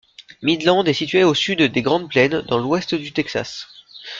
Midland est située au sud des Grandes Plaines, dans l'ouest du Texas.